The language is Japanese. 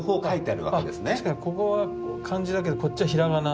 あ確かにここは漢字だけどこっちは平仮名。